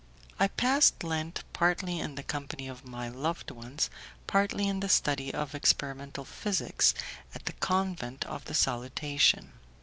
I passed Lent, partly in the company of my loved ones, partly in the study of experimental physics at the Convent of the Salutation.